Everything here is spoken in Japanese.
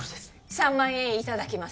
３万円いただきます